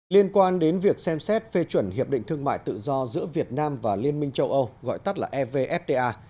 liên quan đến việc xem xét phê chuẩn hiệp định thương mại tự do giữa việt nam và liên minh châu âu gọi tắt là evfta